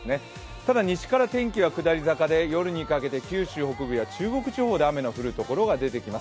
ただ、西から天気は下り坂で夜にかけて九州北部や中国地方で雨の降る所が出てきます。